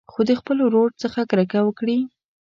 خو د خپل ورور څخه کرکه وکړي.